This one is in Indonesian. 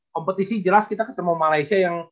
kompetisi jelas kita ketemu malaysia yang